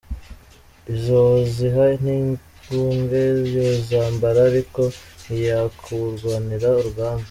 Izo woziha n’inguge yozambara ariko ntiyokurwanira urugamba.